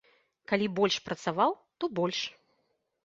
Калі больш працаваў, то больш.